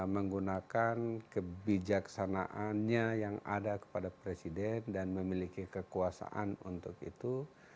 menggunakan kebijaksanaannya yang ada kepada presiden dan memiliki kekuasaan untuk itu